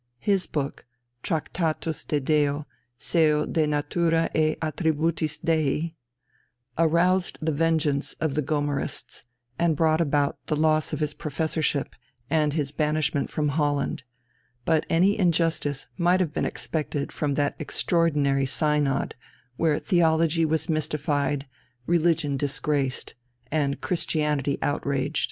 His book, Tractatus de Deo, seu de naturâ et attributis Dei (Steinfurti, 1610, in 4), aroused the vengeance of the Gomarists, and brought about the loss of his professorship and his banishment from Holland; but any injustice might have been expected from that extraordinary Synod, where theology was mystified, religion disgraced, and Christianity outraged.